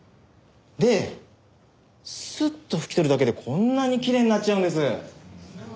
でスッと拭き取るだけでこんなにきれいになっちゃうんです。